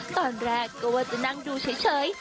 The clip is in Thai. ตอนแรกก็ว่าจะนั่งดูเฉย